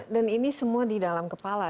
dan ini semua di dalam kepala